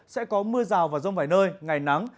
sẽ có mưa rào và rông vài nơi ngày nắng